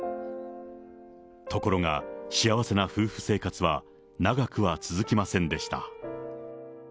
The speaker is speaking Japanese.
ところが幸せな夫婦生活は長くは続きませんでした。